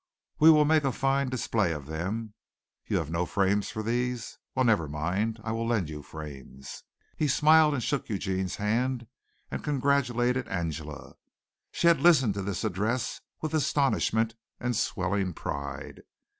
We will make a fine display of them. You have no frames for these? Well, never mind, I will lend you frames." He smiled and shook Eugene's hand and congratulated Angela. She had listened to this address with astonishment and swelling pride.